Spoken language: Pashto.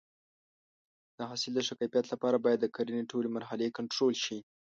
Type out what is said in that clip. د حاصل د ښه کیفیت لپاره باید د کرنې ټولې مرحلې کنټرول شي.